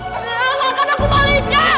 bagaimana aku balikin